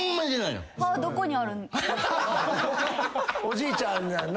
おじいちゃん。